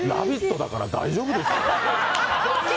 だから大丈夫ですよ！